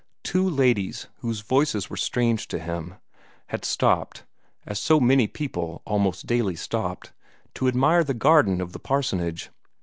Two ladies whose voices were strange to him had stopped as so many people almost daily stopped to admire the garden of the parsonage.